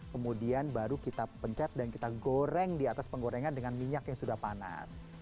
kemudian baru kita pencet dan kita goreng di atas penggorengan dengan minyak yang sudah panas